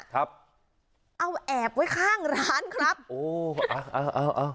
ครับเอาแอบไว้ข้างร้านครับโอ้เอาเอาเอา